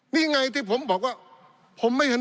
ปี๑เกณฑ์ทหารแสน๒